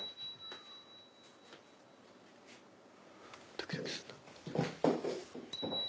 ドキドキする。